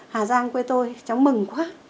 hà giang quê tôi cháu mừng quá